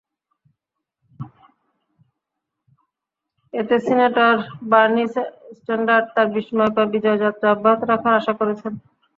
এতে senator Bernie Sanders তাঁর বিস্ময়কর বিজয়যাত্রা অব্যাহত রাখার আশা করছেন।